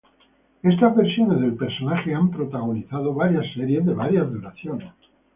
Estas versiones del personaje han protagonizado varias series de varias duraciones.